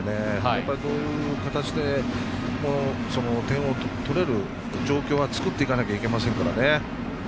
やっぱり、どういう形でも点を取れる状況は作っていかなきゃいけませんからね。